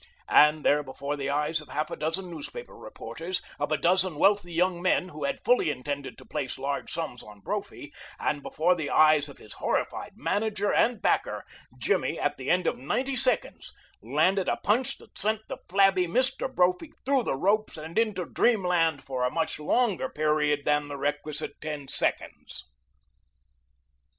And there before the eyes of half a dozen newspaper reporters, of a dozen wealthy young men who had fully intended to place large sums on Brophy, and before the eyes of his horrified manager and backer, Jimmy, at the end of ninety seconds, landed a punch that sent the flabby Mr. Brophy through the ropes and into dreamland for a much longer period than the requisite ten seconds.